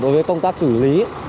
đối với công tác xử lý